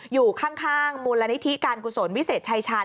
อยู่ข้างมูลนิธิการกุศลวิเศษชายชาญ